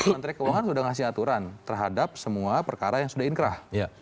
menteri keuangan sudah ngasih aturan terhadap semua perkara yang sudah inkrah